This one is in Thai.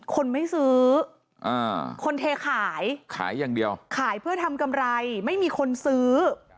คนไม่ซื้อคนเทขายขายอย่างเดียวขายเพื่อทำกำไรไม่มีคนซื้อ